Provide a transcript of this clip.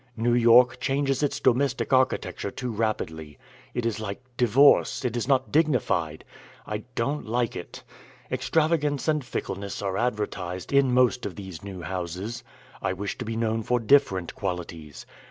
New York changes its domestic architecture too rapidly. It is like divorce. It is not dignified. I don't like it. Extravagance and fickleness are advertised in most of these new houses. I wish to be known for different qualities.